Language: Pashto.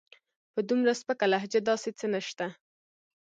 په دومره سپکه لهجه داسې څه نشته.